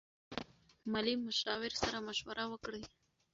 مالي مشاور سره مشوره وکړئ.